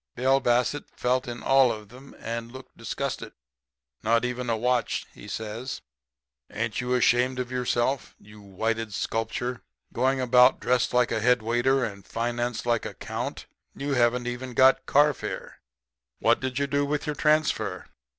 "Bill Bassett felt in all of them, and looked disgusted. "'Not even a watch,' he says. 'Ain't you ashamed of yourself, you whited sculpture? Going about dressed like a head waiter, and financed like a Count! You haven't even got carfare. What did you do with your transfer?'